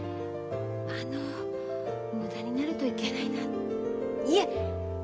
あの無駄になるといけないないえ！